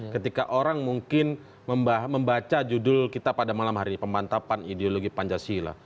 ketika orang mungkin membaca judul kita pada malam hari ini pemantapan ideologi pancasila